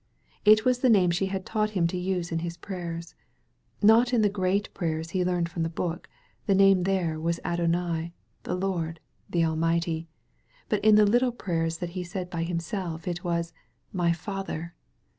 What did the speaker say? It was the name she had taught him to use in his prayers. Not in the great prayers he learned from the book — ^the name there was Adonaiy the Lord, the Almighty. But in the little prayers that he said by himself it was ''my Father